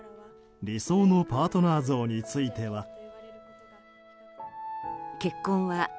理想のパートナー像については。